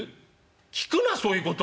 「聞くなそういうこと。